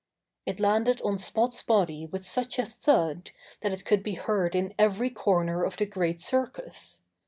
It landed on Spot's body with such a thud that it could be heard in every corner of the great circus.